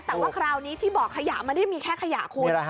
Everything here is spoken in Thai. แต่ว่าคราวนี้ที่บ่อขยะมันที่มีแค่ขยะควร